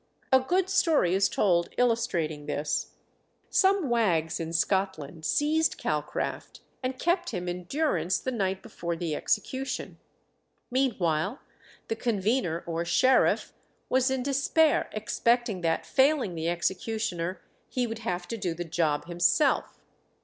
A good story is told illustrating this. Some wags in Scotland seized Calcraft and kept him in durance the night before the execution. Meanwhile the convener or sheriff was in despair, expecting that, failing the executioner, he would have to do the job himself.